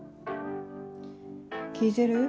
聞いてる？